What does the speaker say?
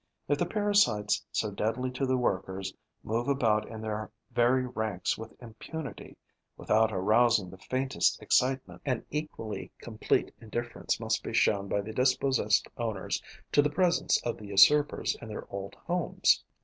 If the parasites, so deadly to the workers, move about in their very ranks with impunity, without arousing the faintest excitement, an equally complete indifference must be shown by the dispossessed owners to the presence of the usurpers in their old homes.